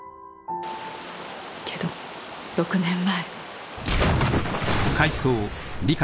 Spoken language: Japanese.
けど６年前。